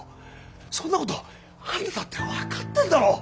そんなことあんただって分かってんだろ。